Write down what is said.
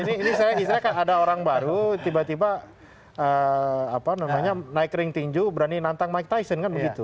ini saya ada orang baru tiba tiba naik ring tinju berani nantang mike tyson kan begitu